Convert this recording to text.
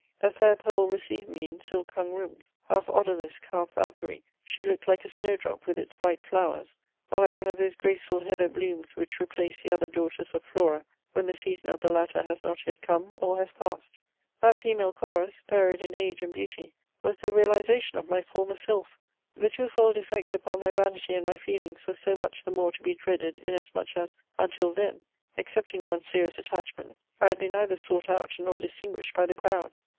A fair Pole received me in silk hung rooms; half odalisk, half Valkyrie, she looked like a snowdrop with its white flowers, or like one of those graceful heather blooms which replace the other daughters of Flora when the season of the latter has not yet come or has passed: that female chorus, varied in age and beauty, was the realisation of my former sylph. The two fold effect upon my vanity and my feelings was so much the more to be dreaded inasmuch as, until then, excepting one serious attachment, I had been neither sought out nor distinguished by the crowd.